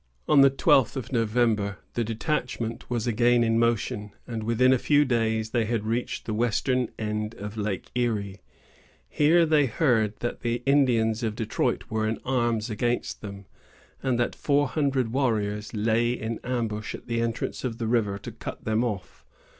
On the twelfth of November, the detachment was again in motion, and within a few days they had reached the western end of Lake Erie. Here they heard that the Indians of Detroit were in arms against them, and that four hundred warriors lay in ambush at the entrance of the river to cut them off.